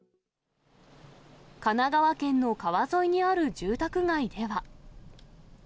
神奈川県の川沿いにある住宅街では。